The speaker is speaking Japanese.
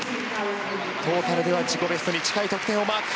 トータルでは自己ベストに近い得点をマーク。